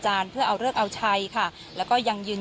ทางสารชั้นต้นได้ยกฟ้องตอนนี้กันค่ะ